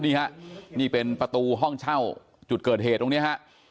นี่ฮะนี่เป็นประตูห้องเช่าจุดเกิดเหตุตรงนี้ฮะ